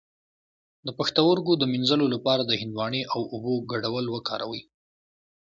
د پښتورګو د مینځلو لپاره د هندواڼې او اوبو ګډول وکاروئ